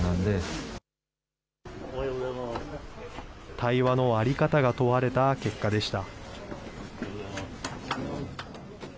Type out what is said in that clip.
対話の在り方が問われた結果でした。